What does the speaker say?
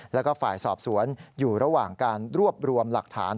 แล้วก็ฝ่ายสอบสวนอยู่ระหว่างการรวบรวมหลักฐาน